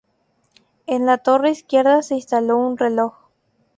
En la torre izquierda se instaló un reloj.